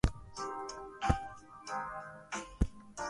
Kalamu imepotea